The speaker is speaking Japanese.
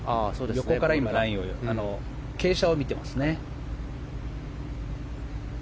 横から傾斜を見ていますね。